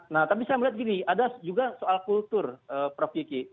nah tapi saya melihat gini ada juga soal kultur prof kiki